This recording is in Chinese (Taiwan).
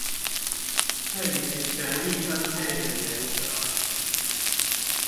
對於權力分配的原則